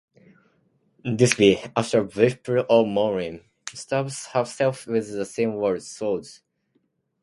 Thisbe, after a brief period of mourning, stabs herself with the same sword.